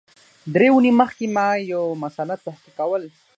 درې اونۍ مخکي ما یو مسأله تحقیق کول